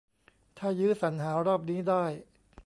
ถ้ายื้อสรรหารอบนี้ได้